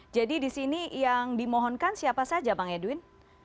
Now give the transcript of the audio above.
jadi di sini yang dimohonkan siapa saja bang edwin